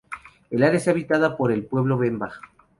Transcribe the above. El área está habitada por el pueblo Bemba.